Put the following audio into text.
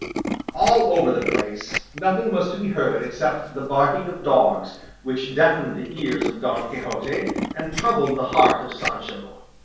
All over the place nothing was to be heard except the barking of dogs, which deafened the ears of Don Quixote and troubled the heart of Sancho.